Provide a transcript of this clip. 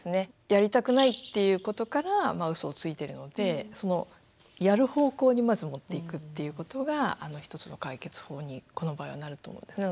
やりたくないっていうことからうそをついてるのでやる方向にまず持っていくっていうことが一つの解決法にこの場合はなると思うんですね。